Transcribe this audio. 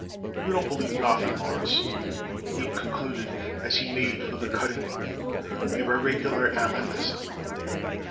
"You don't believe nothing, Mawruss," Abe concluded as he made for the cutting room; "you're a regular amethyst."